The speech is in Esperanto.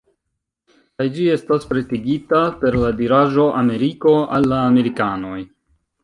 Kaj ĝi estas pretigita per la diraĵo: ""Ameriko al la amerikanoj""